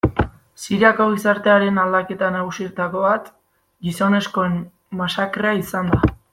Siriako gizartearen aldaketa nagusietako bat gizonezkoen masakrea izan da.